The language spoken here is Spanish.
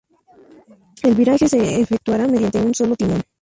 El viraje se efectuaba mediante un solo timón.